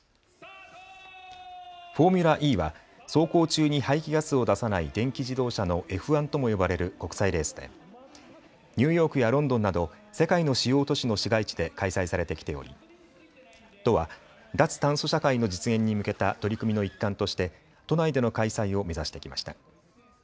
フォーミュラＥは走行中に排気ガスを出さない電気自動車のＦ１とも呼ばれる国際レースでニューヨークやロンドンなど世界の主要都市の市街地で開催されてきており都は脱炭素社会の実現に向けた取り組みの一環として都内での開催を目指してきました。